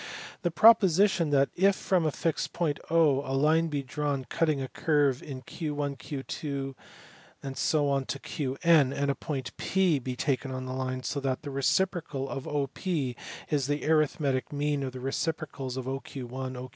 The proposition that "if from a fixed point a line bo drawn cutting a curve; in Qn Qvi ... ,Q , mid a point / be, taken on tin; line so that the reciprocal of 1* is the arithmetic mean of the reciprocals of ()Cj t , OQ.